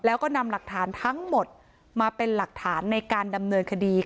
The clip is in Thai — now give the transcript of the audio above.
แล้วก็นำหลักฐานทั้งหมดมาเป็นหลักฐานในการดำเนินคดี